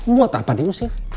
buat apa diusir